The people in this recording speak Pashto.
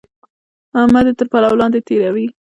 احمد يې تر پلو لاندې تېروي.